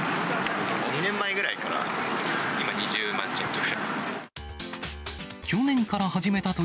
２年前ぐらいから、今、２０万ちょっとぐらい。